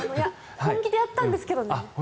本気でやったんですけどね。